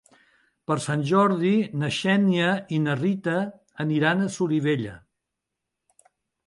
Per Sant Jordi na Xènia i na Rita aniran a Solivella.